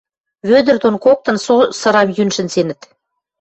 Вӧдӹр дон коктын со сырам йӱн шӹнзенӹт